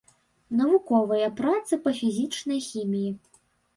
Навуковыя працы па фізічнай хіміі.